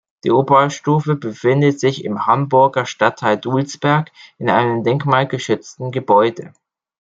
Die Oberstufe befindet sich im Hamburger Stadtteil Dulsberg in einem denkmalgeschützten Gebäude.